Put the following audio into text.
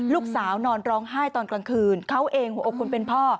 ลูกสาวนอนร้องไห้ตอนกลางคืนเขาเองโหกคุณเป็นพ่อ